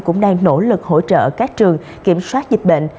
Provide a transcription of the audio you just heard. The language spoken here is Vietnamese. cũng đang nỗ lực hỗ trợ các trường kiểm soát dịch bệnh